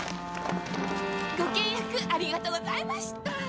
ご契約ありがとうございました！